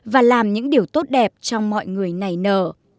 và làm những điều tốt đẹp trong mọi người này nở